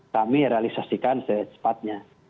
kami realisasikan secepatnya